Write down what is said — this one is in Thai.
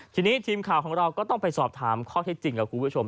ทีนี้ทีมข่าวของเราก็ต้องไปสอบถามข้อเท็จจริงกับคุณผู้ชม